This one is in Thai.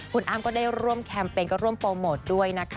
คุณอ้ำก็ได้ร่วมแคมเปญก็ร่วมโปรโมทด้วยนะคะ